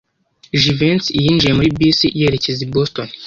Jivency yinjiye muri bisi yerekeza i Boston.